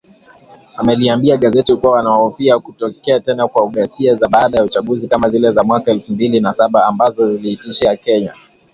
wameliambia gazeti kuwa wanahofia kutokea tena kwa ghasia za baada ya uchaguzi kama zile za mwaka elfu mbili na saba ambazo ziliitikisa Kenya